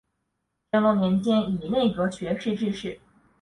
乾隆年间以内阁学士致仕。